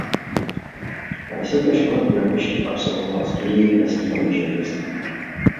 Na vysoké škole v Budapešti absolvoval studium lesního inženýrství.